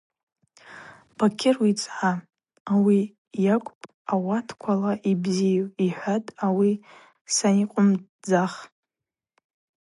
Бакьыр уицӏгӏа, ауи йакӏвпӏ ауатквала йбзийу, – йхӏватӏ ауи саникъвымцӏдзах.